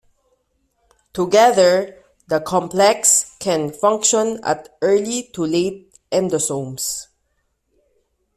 Together, the complex can function at early to late endosomes.